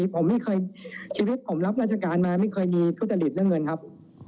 ผมไม่เคยชีวิตผมรับราชการมาไม่เคยมีทุจริตเรื่องเงินครับ